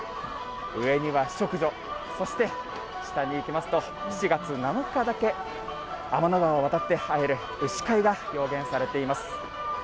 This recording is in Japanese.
上には織女、そして下に行きますと、７月７日だけ天の川を渡って会える、牛飼いが表現されています。